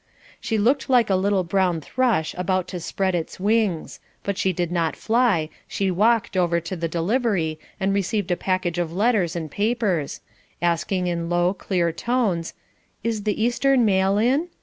She looked like a little brown thrush about to spread its wings; but she did not fly, she walked over to the delivery and received a package of letters and papers, asking in low, clear tones, "Is the Eastern mail in?"